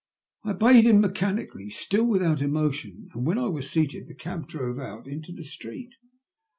I obeyed htm mechanically, still nithout emotion, and when I waa seated the cah drove out into the street.